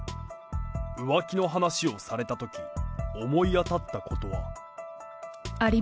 浮気の話をされたとき、思い当たったことは？